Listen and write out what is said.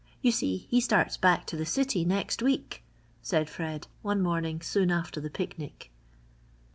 You see, he starts back to the city next week," said Fred, one morning soon after the picnic.